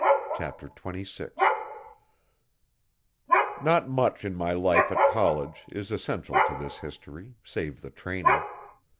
Chapter 26 Not much in my life at college is essential to this history save the training.